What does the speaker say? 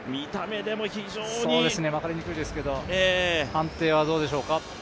非常に分かりにくいですけど、判定はどうでしょうか？